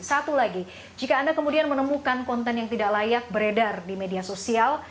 satu lagi jika anda kemudian menemukan konten yang tidak layak beredar di media sosial